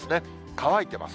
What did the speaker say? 乾いてます。